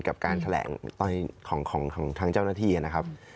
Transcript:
กับการแถลงของทางเจ้าหน้าที่นะครับ